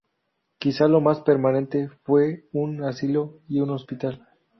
Quizá lo más permanente fueron un asilo y un hospital.